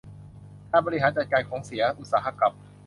การบริหารจัดการของเสียอุตสาหกรรม